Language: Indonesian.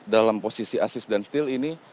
dalam posisi assist dan steal ini